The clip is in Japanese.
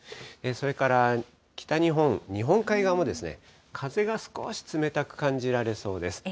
それから北日本、日本海側はですね、風が少し冷たく感じられそうです。